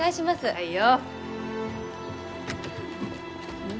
はいよ。